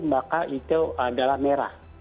maka itu adalah merah